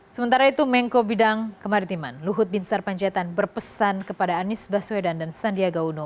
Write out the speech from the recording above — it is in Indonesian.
sementara itu mengko bidang kemaritiman luhut bin sarpanjaitan berpesan kepada anies baswedan dan sandiaga uno